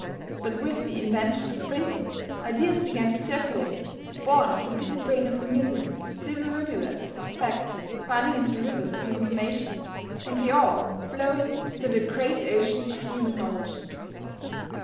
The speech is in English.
But with the invention of printing, ideas began to circulate, born of the busy brain of the million little rivulets of facts running into rivers of information, and they all flowing into the great ocean of human knowledge.